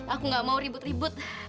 aku gak mau ribut ribut